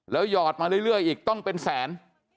หยอดมาเรื่อยอีกต้องเป็นแสน